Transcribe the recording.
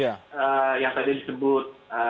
yang tadi disebut